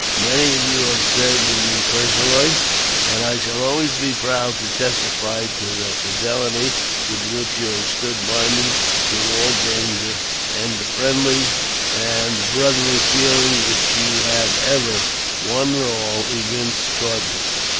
Many of you have served with me personally, and I shall JAMES F. BECKWOVRTH. 109 always be proud to testify to the fidelity with which you have stood by me through all danger, and the friendly and brotherly feeling which you have ever, one and all, evinced towards me.